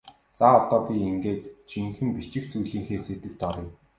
За одоо би ингээд жинхэнэ бичих зүйлийнхээ сэдэвт оръё.